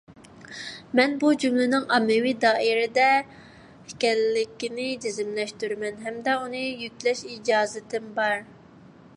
مەن بۇ جۈملىنىڭ ئاممىۋى دائىرە دە ئىكەنلىكىنى جەزملەشتۈرىمەن ھەمدە ئۇنى يۈكلەش ئىجازىتىم بار.